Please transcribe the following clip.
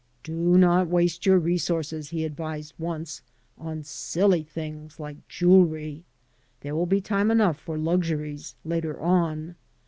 " Do not waste your resources," he advised once, "on silly things like jewelry. There will be time enough for luxuries later on.